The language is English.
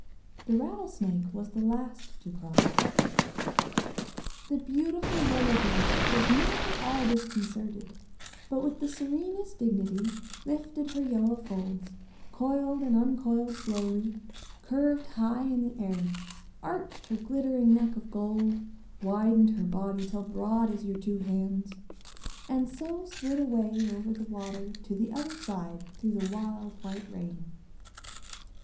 The rattlesnake was the last to cross. [Illustration: Into the water leaped a black bear. Page 26.] The beautiful yellow beast was not at all disconcerted, but with the serenest dignity lifted her yellow folds, coiled and uncoiled slowly, curved high in the air, arched her glittering neck of gold, widened her body till broad as your two hands, and so slid away over the water to the other side through the wild white rain.